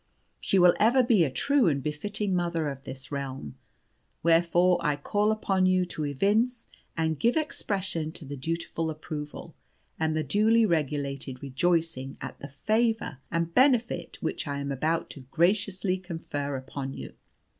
She will ever be a true and befitting mother of this realm. Wherefore I call upon you to evince and give expression to the dutiful approval, and the duly regulated rejoicing at the favour and benefit which I am about to graciously confer upon you."